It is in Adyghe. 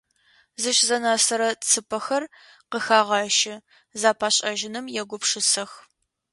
Зыщзэнэсырэ цыпэхэр къыхагъэщы, зэпашӏэжьыным егупшысэх.